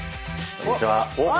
こんにちは。